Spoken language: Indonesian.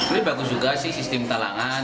lebih bagus juga sih sistem talangan